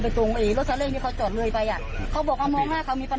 ฟันเสร็จแล้วหนูก็ไม่รู้ว่าท่าไหน